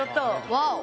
ワオ！